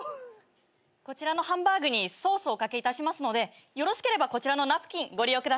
こちらのハンバーグにソースをお掛けいたしますのでよろしければこちらのナプキンご利用ください。